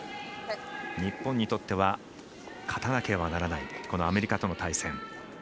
日本にとっては勝たなければならないこのアメリカとの対戦。